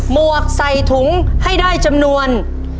หวกใส่ถุงให้ได้จำนวน